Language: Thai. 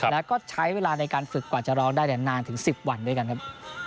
แล้วก็ใช้เวลาในการฝึกกว่าจะร้องได้นานถึง๑๐วันด้วยกันครับ